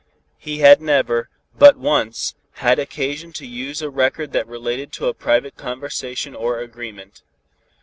He had never, but once, had occasion to use a record that related to a private conversation or agreement.